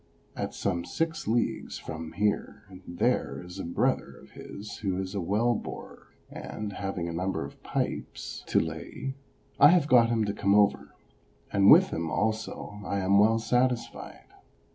At some six leagues from here there is a brother of his who is a well borer, and, having a number of pipes X 322 OBERMANN to lay, I have got him to come over, and with him also I am well satisfied.